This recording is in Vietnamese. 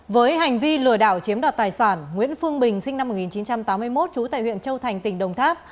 với hành vi lừa đảo chiếm đoạt tài sản nguyễn phương bình sinh năm một nghìn chín trăm tám mươi một trú tại huyện châu thành tỉnh đồng tháp